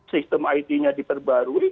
sistem it nya diperbarui